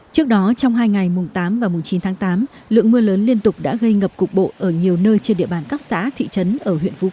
trước đó trong hai ngày mùng tám và mùng chín tháng tám lượng mưa lớn liên tục đã gây ngập cục bộ ở nhiều nơi trên địa bàn các xã thị trấn ở huyện phú quốc